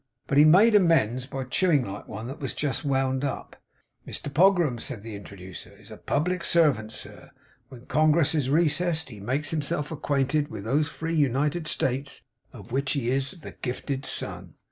But he made amends by chewing like one that was just wound up. 'Mr Pogram,' said the introducer, 'is a public servant, sir. When Congress is recessed, he makes himself acquainted with those free United States, of which he is the gifted son.